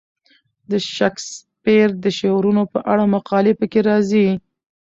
د شکسپیر د شعرونو په اړه مقالې پکې راځي.